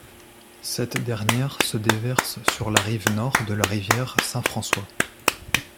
Cette dernière se déverse sur la rive nord de la rivière Saint-François.